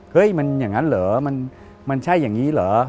เฮ้ยมันอย่างนั้นเหรอมันใช่อย่างนี้เหรอ